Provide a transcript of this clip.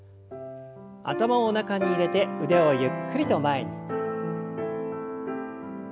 頭を中に入れて腕をゆっくりと前に。